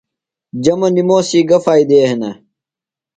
جمہ نِموسی گہ فائدے ہِنہ؟